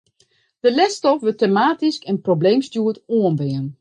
De lesstof wurdt tematysk en probleemstjoerd oanbean.